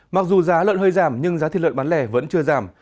mặc dù giá lợn hơi giảm nhưng giá thịt lợn bán lẻ vẫn chưa giảm